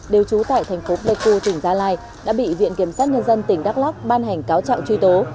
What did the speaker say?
đều trú tại thành phố pleco tỉnh gia lai đã bị viện kiểm sát nhân dân tỉnh đắk lắc ban hành cáo trạng truy tố